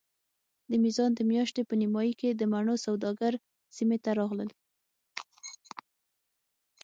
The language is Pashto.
د میزان د میاشتې په نیمایي کې د مڼو سوداګر سیمې ته راغلل.